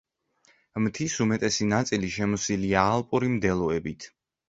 მთის უმეტესი ნაწილი შემოსილია ალპური მდელოებით.